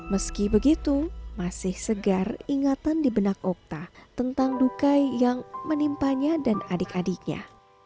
meski begitu masih segar ingatan di benak okta tentang dukai yang menimpanya dan adik adiknya